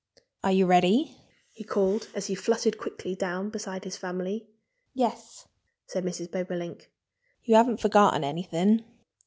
"Are you ready?" he called as he fluttered quickly down beside his family. "Yes!" said Mrs. Bobolink. "You haven't forgotten anything?"